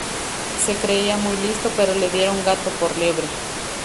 Se creía muy listo pero le dieron gato por liebre